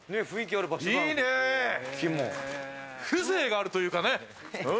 いいね、風情があるというかね。